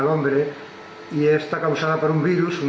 ini berpengaruh pada virus